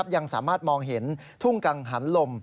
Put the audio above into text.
ยังสามารถมองเห็นทุ่งกังหันลม